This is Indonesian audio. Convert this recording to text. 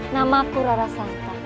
nama aku rara santang